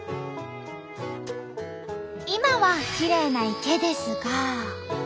今はきれいな池ですが。